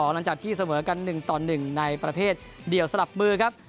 หลังจากที่เสมอกัน๑ต่อ๑ในประเภทเดียวสลับมือครับ